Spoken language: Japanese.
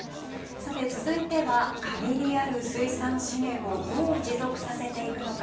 さて続いては限りある水産資源をどう持続させていくのか。